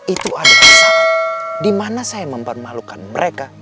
itu ada kesalahan di mana saya mempermalukan mereka